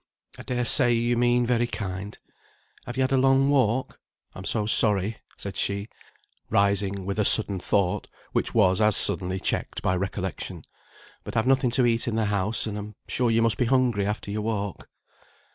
I dare say you mean very kind. Have you had a long walk? I'm so sorry," said she, rising, with a sudden thought, which was as suddenly checked by recollection, "but I've nothing to eat in the house, and I'm sure you must be hungry, after your walk."